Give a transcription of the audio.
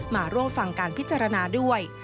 มาร่วมฟังการพิจารณาด้วย